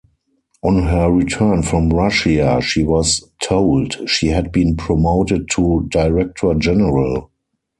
On her return from Russia, she was told she had been promoted to Director-General.